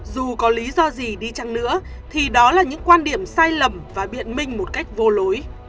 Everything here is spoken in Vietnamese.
dù có lý do gì đi chăng nữa thì đó là những quan điểm sai lầm và biện minh một cách vô lối